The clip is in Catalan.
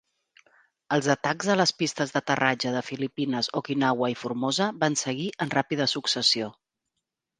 Els atacs a les pistes d'aterratge de Filipines, Okinawa i Formosa van seguir en ràpida successió.